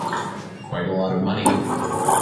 Quite a lot of money.